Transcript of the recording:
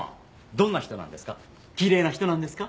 どんな人なんですか？